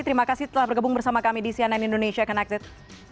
terima kasih telah bergabung bersama kami di cnn indonesia connected